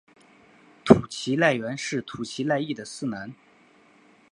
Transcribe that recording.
土岐赖元是土岐赖艺的四男。